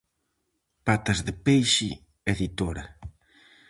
Patas de peixe, editora.